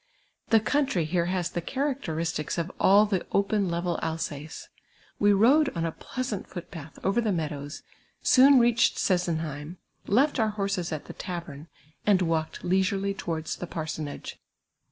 The country here has the characteristics of all the open, level Alsace. We rode on a pleasant foot path over the meadows, soon reached Sesenheim, left our horses at the tavern, and walked leisurely towards the ]iarsonage.